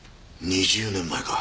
２０年前か。